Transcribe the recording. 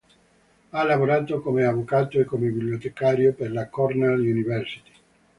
Ha lavorato come avvocato e come bibliotecario per la Cornell University.